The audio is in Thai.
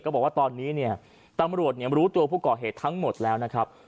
บอกว่าตอนนี้เนี่ยตำรวจรู้ตัวผู้ก่อเหตุทั้งหมดแล้วนะครับ